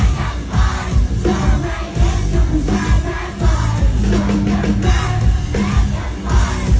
ต่างเดินหมายถึงว่าก่อนนอนอย่าลืมแตกฝันกันนะโอเคมั้ย